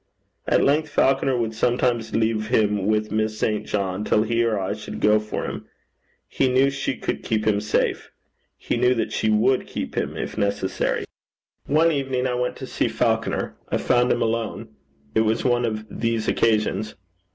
At length Falconer would sometimes leave him with Miss St. John, till he or I should go for him: he knew she could keep him safe. He knew that she would keep him if necessary. One evening when I went to see Falconer, I found him alone. It was one of these occasions.